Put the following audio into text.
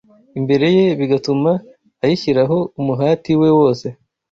imbere ye bigatuma ayishyiraho umuhati we wose